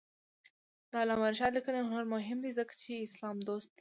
د علامه رشاد لیکنی هنر مهم دی ځکه چې اسلام دوست دی.